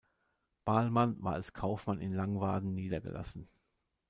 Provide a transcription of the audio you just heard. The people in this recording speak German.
Bahlmann war als Kaufmann in Langwarden niedergelassen.